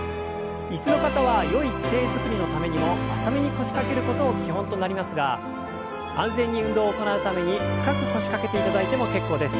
椅子の方はよい姿勢づくりのためにも浅めに腰掛けることを基本となりますが安全に運動を行うために深く腰掛けていただいても結構です。